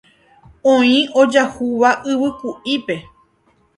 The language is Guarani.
oĩ ojahúva yvyku'ípe